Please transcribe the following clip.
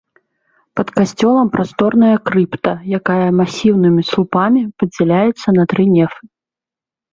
Пад касцёлам прасторная крыпта, якая масіўнымі слупамі падзяляецца на тры нефы.